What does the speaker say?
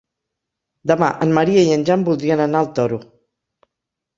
Demà en Maria i en Jan voldrien anar al Toro.